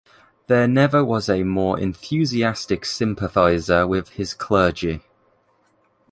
There never was a more enthusiastic sympathizer with his clergy.